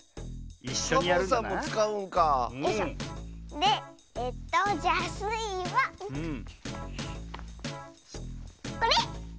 でえっとじゃあスイはこれ！